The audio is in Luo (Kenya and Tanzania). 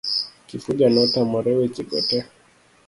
Kifuja notamore weche go te.